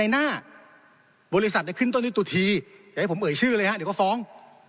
อยากให้ผมเอ่ยชื่อเลยครับเดี๋ยวก็ฟ้อง